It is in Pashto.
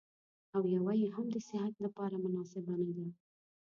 او يوه يې هم د صحت لپاره مناسبه نه ده.